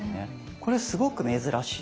これすごく珍しい。